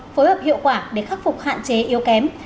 phối hợp hiệu quả để khắc phục hạn chế yếu kém